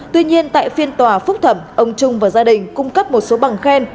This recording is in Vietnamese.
tuy nhiên tại phiên tòa phúc thẩm ông trung và gia đình cung cấp một số bằng khen